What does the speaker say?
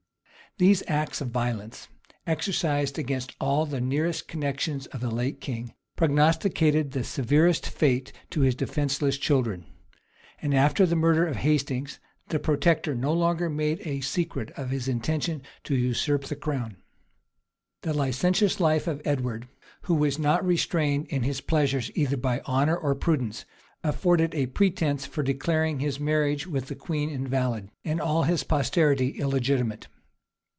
These acts of violence, exercised against all the nearest connections of the late king, prognosticated the severest fate to his defenceless children; and after the murder of Hastings, the protector no longer made a secret of his intentions to usurp the crown. The licentious life of Edward, who was not restrained in his pleasures either by honor or prudence, afforded a pretence for declaring his marriage with the queen invalid, and all his posterity illegitimate.